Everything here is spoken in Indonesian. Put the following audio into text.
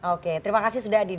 oke terima kasih sudah hadir